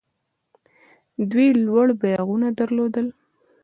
دوی لوړ بیرغونه درلودل